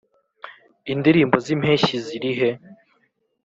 indirimbo zimpeshyi zirihe?